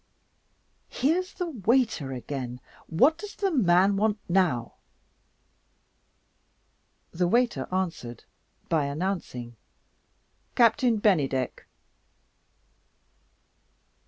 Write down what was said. Here's the waiter again. What does the man want now?" The waiter answered by announcing: "Captain Bennydeck."